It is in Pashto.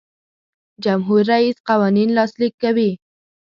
جمهور رئیس قوانین لاسلیک کوي.